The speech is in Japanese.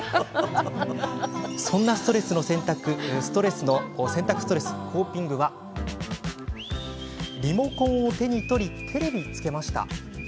そんな洗濯ストレスのコーピングはリモコンを手に取りテレビをつけました。